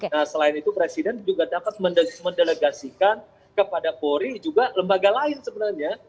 nah selain itu presiden juga dapat mendelegasikan kepada polri juga lembaga lain sebenarnya